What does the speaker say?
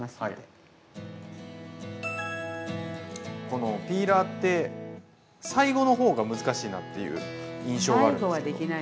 このピーラーって最後の方が難しいなっていう印象があるんですけど。